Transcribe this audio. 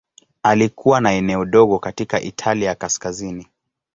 Alikuwa na eneo dogo katika Italia ya Kaskazini.